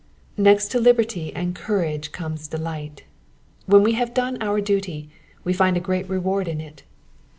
'*^ Next to liberty and courage comes delight. When we have done our duty, we find a great reward in it.